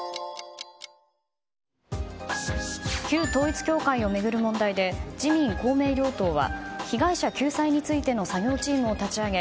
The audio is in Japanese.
旧統一教会を巡る問題で自民・公明両党は被害者救済についての作業チームを立ち上げ